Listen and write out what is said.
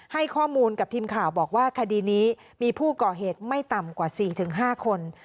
ให้ข้อมูลกับทีมข่าวบอกว่าคดีนี้มีผู้ก่อเหตุไม่ต่ำกว่า๔๕คน